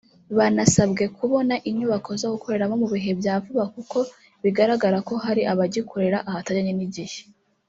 Banasabwe kubona inyubako zo gukoreramo mu bihe bya vuba kuko bigaragara ko hari abagikorera ahatajyanye n’igihe